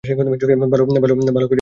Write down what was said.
ভালো করিয়া খান না।